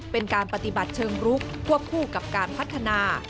เป็นการปฏิบัติเชิงรุกควบคู่กับการพัฒนา